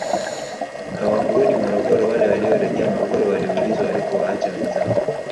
Hawakurudi Morogoro wale waliorejea Morogoro waliulizwa walikowaacha wenzao